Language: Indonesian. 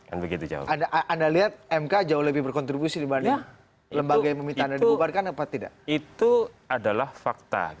anda lihat mk jauh lebih berkontribusi dibanding lembaga yang meminta anda dibubarkan atau tidak